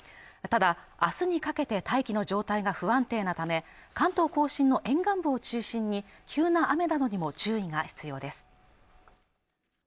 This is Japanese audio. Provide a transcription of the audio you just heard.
ただ、あすにかけて大気の状態が不安定なため関東甲信の沿岸部を中心に急な雨などにも注意が必要です